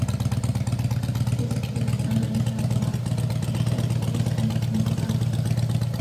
This gives an idea of what the difficulty is like in the problem.